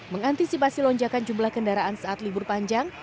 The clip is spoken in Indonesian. mengantisipasi lonjakan jumlah kendaraan saat libur panjang